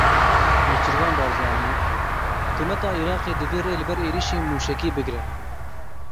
Nêçîrvan Barzanî Hikûmeta Iraqê divê rê li ber êrişên mûşekî bigire.